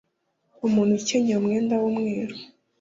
umuntu ukenyeye umwenda w’umweru